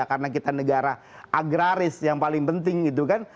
karena kita negara agraris yang paling penting gitu kan